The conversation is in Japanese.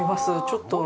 ちょっと。